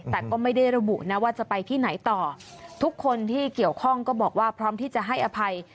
แต่ก็ไม่ได้ระบุนะว่าจะไปที่ไหนต่อทุกคนที่เกี่ยวข้องก็บอกว่าพร้อมที่จะให้อภัย